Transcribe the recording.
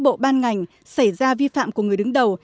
bộ ban ngành xảy ra vi phạm của người đứng đầu